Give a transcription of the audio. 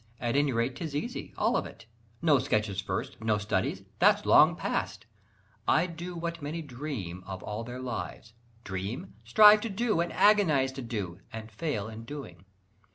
At any rate 'tis easy, all of it, No sketches first, no studies, that's long past I do what many dream of all their lives Dream? strive to do, and agonise to do, And fail in doing.